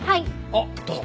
あっどうぞ。